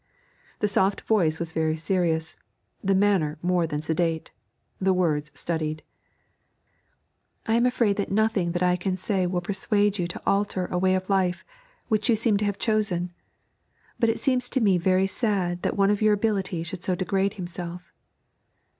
The soft voice was very serious, the manner more than sedate, the words studied. 'I am afraid that nothing that I can say will persuade you to alter a way of life which you seem to have chosen, but it seems to me very sad that one of your ability should so degrade himself.'